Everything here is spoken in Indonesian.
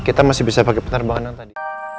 kita masih bisa pakai penerbanganan tadi